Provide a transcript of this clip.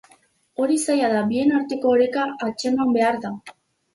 Hori zaila da, bien arteko oreka atxeman behar da.